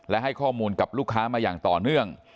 และให้ข้อมูลกับลูกค้ามาอย่างต่อเนื่อง